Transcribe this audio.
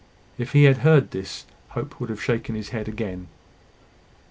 If he had heard this, Hope would have shaken his head again.